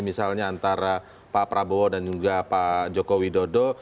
misalnya antara pak prabowo dan juga pak jokowi dodo